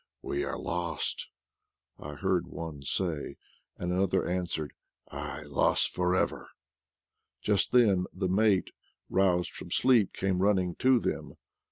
"We are lost," I heard one say; and another answer, "Aye, lost for everl" Just then the mate, roused from sleep, came run ning to them.